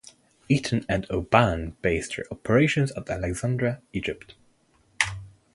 Eaton and O'Bannon based their operations at Alexandria, Egypt.